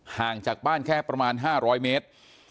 ห่างจากบ้านแค่ประมาณ๕๐๐เมตร